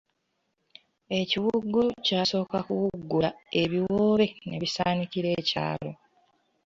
Ekiwuugulu kyasooka kuwuugula, ebiwoobe ne bisaanikira ekyalo.